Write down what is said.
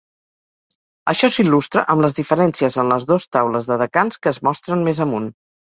Això s'il·lustra amb les diferències en les dos taules de "decans" que es mostren més amunt.